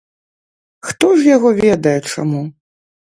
Хто ж яго ведае чаму.